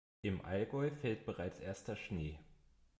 Im Allgäu fällt bereits erster Schnee.